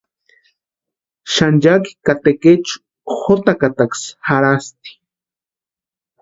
Xanchaki ka tekechu jotakataksï jarhasti.